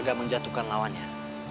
gak menjatuhkan lawannya